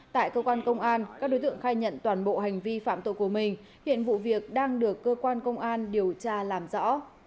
tại cơ quan công an các đối tượng khai nhận toàn bộ hành vi phạm tội của mình hiện vụ việc đang được cơ quan công an điều tra làm rõ